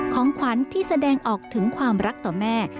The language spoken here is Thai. ของขวัญที่แสดงออกถึงความรักต่อแม่